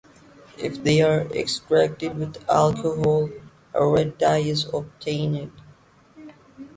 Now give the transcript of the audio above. If they are extracted with alcohol, a red dye is obtained.